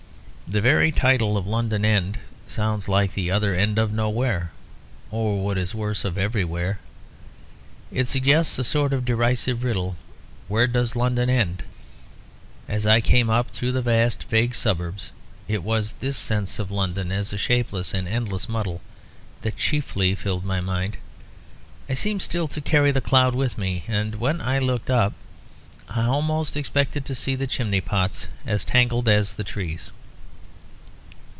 The very title of London End sounds like the other end of nowhere, or (what is worse) of everywhere. It suggests a sort of derisive riddle; where does London End? As I came up through the vast vague suburbs, it was this sense of London as a shapeless and endless muddle that chiefly filled my mind. I seemed still to carry the cloud with me; and when I looked up, I almost expected to see the chimney pots as tangled as the trees.